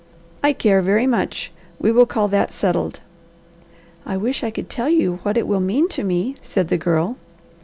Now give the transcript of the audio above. "I care very much. We will call that settled." "I wish I could tell you what it will mean to me," said the Girl.